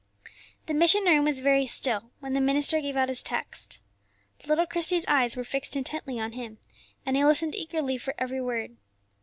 The mission room was very still when the minister gave out his text. Little Christie's eyes were fixed intently on him, and he listened eagerly for every word.